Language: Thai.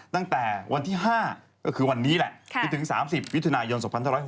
ตั้งแต่วันที่๕ก็คือวันนี้แหละจนถึง๓๐มิถุนายน๒๖๖